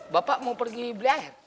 bapak mau pergi beli air